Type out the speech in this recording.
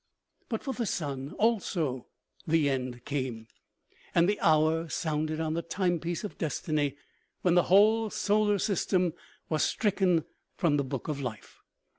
277 But for the sun also the end came, and the hour sounded on the timepiece of destiny when the whole solar system was stricken from the book of life.